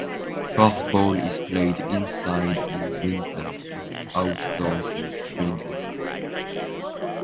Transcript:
Korfball is played inside in winter and outdoors in spring and fall.